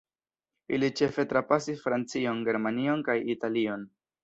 Ili ĉefe trapasis Francion, Germanion kaj Italion.